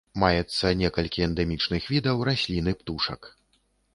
Маецца некалькі эндэмічных відаў раслін і птушак.